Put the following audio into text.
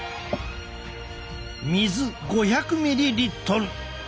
水５００ミリリットル！